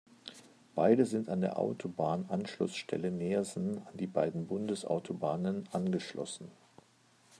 Beide sind an der Autobahnanschlussstelle Neersen an die beiden Bundesautobahnen angeschlossen.